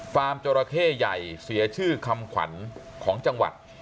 จราเข้ใหญ่เสียชื่อคำขวัญของจังหวัด